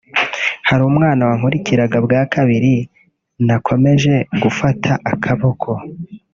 Hari umwana wankurikiraga bwa kabiri nakomeje gufata akaboko